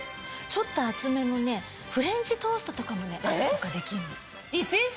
ちょっと厚めのフレンチトーストとかも朝とかできるの。